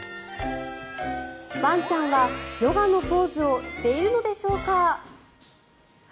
ワンちゃんはヨガのポーズをしているのでしょうか。